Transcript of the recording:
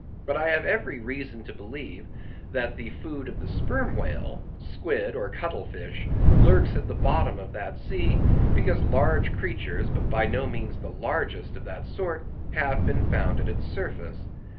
But I have every reason to believe that the food of the sperm whale—squid or cuttle fish—lurks at the bottom of that sea, because large creatures, but by no means the largest of that sort, have been found at its surface.